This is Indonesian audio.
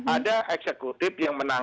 ada eksekutif yang menangani